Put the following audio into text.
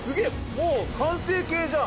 もう完成形じゃん。